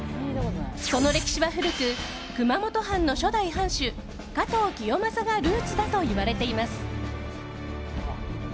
その歴史は古く熊本藩の初代藩主加藤清正がルーツだといわれています。